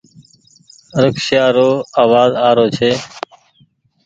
رڪسيا رو آواز آ رو ڇي۔